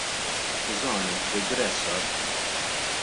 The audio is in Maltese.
Skużani, rigress sar.